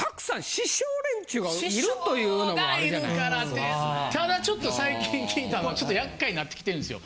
師匠がいるからただちょっと最近聞いたのやっかいになってきてるんですよ。